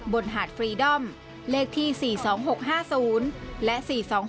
หาดฟรีดอมเลขที่๔๒๖๕๐และ๔๒๖